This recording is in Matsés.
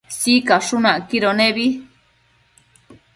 Sicashun acquido nebi